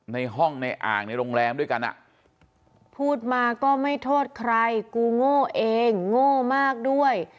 ในห้องในอ่างในโรงแรมด้วยกันอ่ะพูดมาก็ไม่โทษใครกูโง่เองโง่มากด้วย